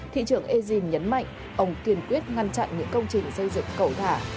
thị trưởng eugene nhấn mạnh ông kiên quyết ngăn chặn những công trình xây dựng cẩu thả